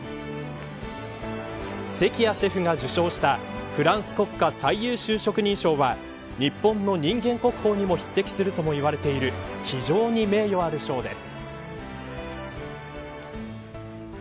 関谷シェフが受章したフランス国家最優秀職人章は日本の人間国宝にも匹敵するともいわれている非常に名誉ある賞です。